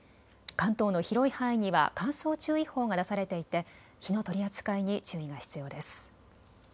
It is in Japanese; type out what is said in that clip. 関東の広い範囲には乾燥注意報が出されていて火の取り扱いに注意が必要です。